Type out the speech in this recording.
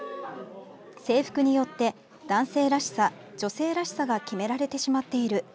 「制服によって男性らしさ、女性らしさが決められてしまっている」。